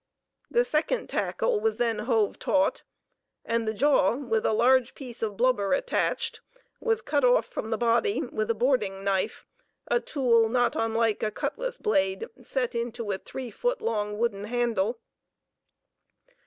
The second tackle was then hove taut, and the jaw, with a large piece of blubber attached, was cut off from the body with a boarding knife, a tool not unlike a cutlass blade set into a three foot long wooden handle.